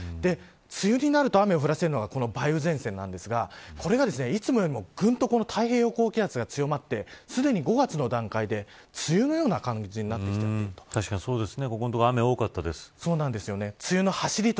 梅雨になると雨を降らせるのがこの梅雨前線ですがこれがいつもよりもぐんと太平洋高気圧が強まって、５月の段階で梅雨のような感じになってきています。